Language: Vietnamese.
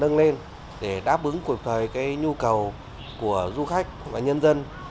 điện biên đã đáp ứng cuộc thời nhu cầu của du khách và nhân dân